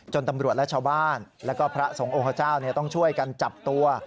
จนตำรวจและชาวบ้านและก็พระสงคร์องค์พระเจ้าต้องช่วยกันจับตัว